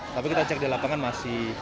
tapi kita cek di lapangan masih